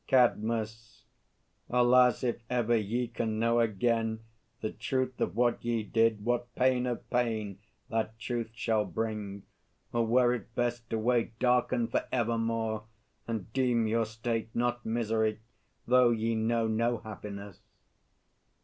CADMUS. Alas, if ever ye can know again The truth of what ye did, what pain of pain That truth shall bring! Or were it best to wait Darkened for evermore, and deem your state Not misery, though ye know no happiness?